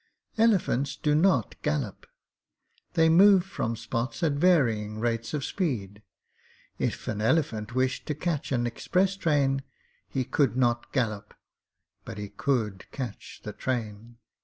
Elephants do not gallop. They move from spots at varying rates of speed. If an elephant wished to catch an express train he could not gallop, but he could catch the train.